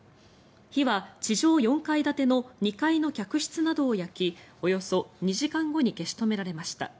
火は地上４階建ての２階の客室などを焼きおよそ２時間後に消し止められました。